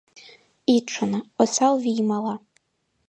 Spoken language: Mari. Ит шоно: осал вий мала.